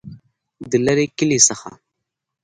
دلیري کلي څخه